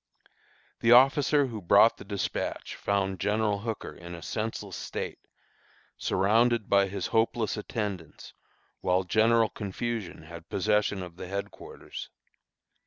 The officer who brought the despatch, found General Hooker in a senseless state, surrounded by his hopeless attendants, while general confusion had possession of the headquarters.